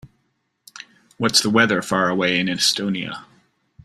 What's the weather far away in Estonia?